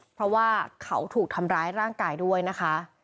เพราะว่าเขาถูกทำร้ายร่างกายด้วยนะคะ